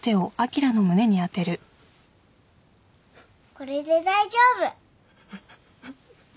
これで大丈夫